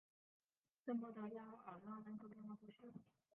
圣波德雅尔拉人口变化图示